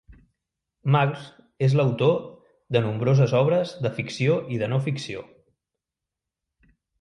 Magrs és l'autor de nombroses obres de ficció i de no-ficció.